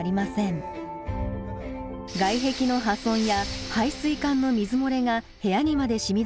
外壁の破損や排水管の水漏れが部屋にまで染み出すなど課題は山積。